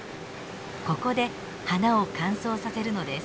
ここで花を乾燥させるのです。